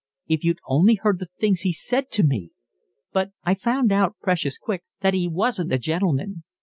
If you'd only heard the things he said to me! But I found out precious quick that he wasn't a gentleman.